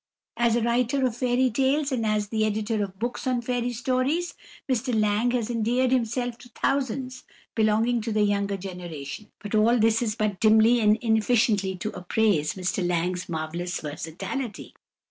As a writer of fairy tales, and as the editor of books of fairy stories, Mr Lang has endeared himself to thousands belonging to the younger generation. But all this is but dimly and inefficiently to appraise Mr Lang's marvellous versatility.